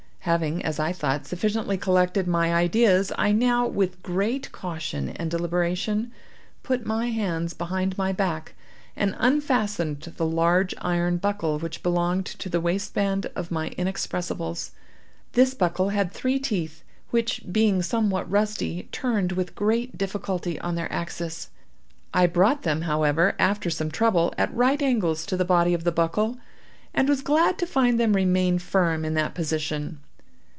Having, as I thought, sufficiently collected my ideas, I now, with great caution and deliberation, put my hands behind my back, and unfastened the large iron buckle which belonged to the waistband of my inexpressibles. This buckle had three teeth, which, being somewhat rusty, turned with great difficulty on their axis. I brought them, however, after some trouble, at right angles to the body of the buckle, and was glad to find them remain firm in that position.